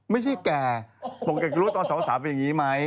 ไม่ใช่แกปกติรู้ตอนสาวเป็นอย่างนี้ไหม